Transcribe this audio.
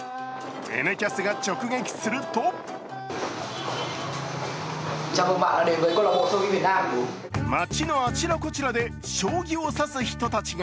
「Ｎキャス」が直撃すると、街のあちらこちらで将棋をさす人たちが。